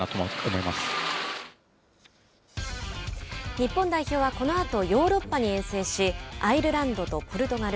日本代表はこのあとヨーロッパに遠征しアイルランドとポルトガル